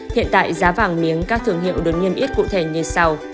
hiện tại giá vàng miếng các thương hiệu được niêm yết cụ thể như sau